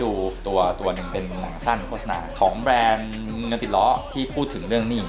ตัวตัวหนึ่งเป็นหนังสั้นโฆษณาของแบรนด์เงินติดล้อที่พูดถึงเรื่องหนี้